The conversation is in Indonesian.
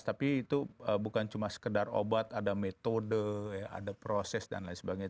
tapi itu bukan cuma sekedar obat ada metode ada proses dan lain sebagainya